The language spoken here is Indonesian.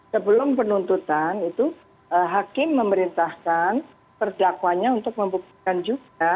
sebelum penuntutan itu hakim memerintahkan perdakwanya untuk membukaan juga